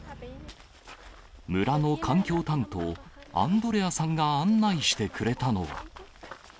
村の環境担当、アンドレアさんが案内してくれたのは。